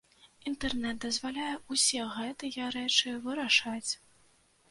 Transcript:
Інтэрнэт дазваляе ўсе гэтыя рэчы вырашаць.